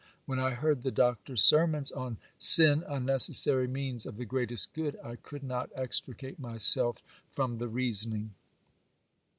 When I heard the Doctor's sermons on "Sin a Necessary Means of the Greatest Good," I could not extricate myself from the reasoning.